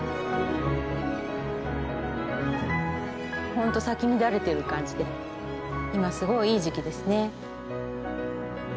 本当咲き乱れてる感じで今すごいいい時期ですね。